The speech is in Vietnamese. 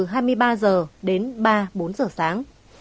hai mươi ba h đến ba bốn h sáng